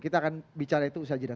kita akan bicara itu usaha jeda